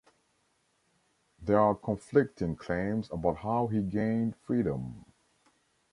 There are conflicting claims about how he gained freedom.